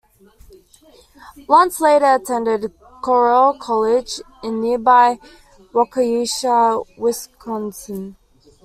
Lunt later attended Carroll College in nearby Waukesha, Wisconsin.